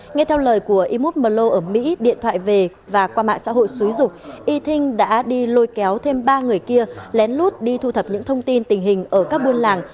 nghe theo lời của imut mlo ở mỹ điện thoại về và qua mạng xã hội xúi dục y thinh đã đi lôi kéo thêm ba người kia lén lút đi thu thập những thông tin tình hình ở các buôn làng